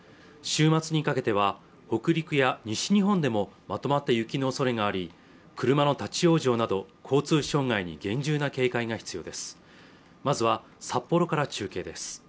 週末にかけては北陸や西日本でもまとまった雪のおそれがあり車の立往生など交通障害に厳重な警戒が必要です